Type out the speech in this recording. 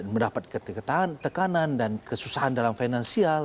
mendapatkan ketekanan dan kesusahan dalam finansial